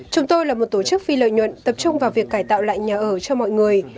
chúng tôi là một tổ chức phi lợi nhuận tập trung vào việc cải tạo lại nhà ở cho mọi người